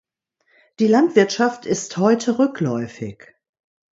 Die Landwirtschaft ist heute rückläufig.